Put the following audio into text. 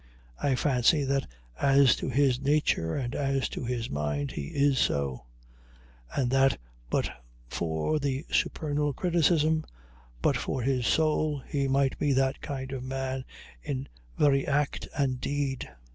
I fancy that as to his nature and as to his mind he is so, and that but for the supernal criticism, but for his soul, he might be that kind of man in very act and deed.